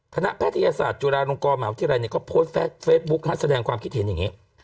พนักแพทยาศาสตร์จุฬาลงกอมอาวุธิรัยก็โพสเฟสบุ๊คนัดแสดงความคิดเห็นอย่างนี้